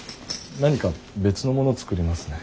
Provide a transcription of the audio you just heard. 何か別のもの作りますね。